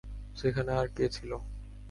সেখানে আর কে ছিল?